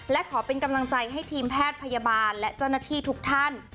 และขอเป็นกำลังใจให้ทีมแพทย์พยาบาลและเจ้าหน้าที่ทุกท่าน